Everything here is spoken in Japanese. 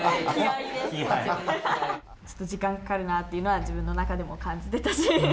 ちょっと時間かかるなというのは自分の中でも感じてたし。